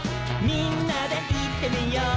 「みんなでいってみよう」